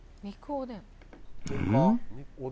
うん？